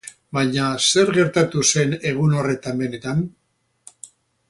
Baina, zer gertatu zen egun horretan benetan?